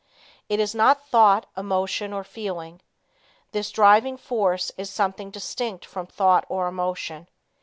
It is not thought, emotion or feeling. This driving force is something distinct from thought or emotion.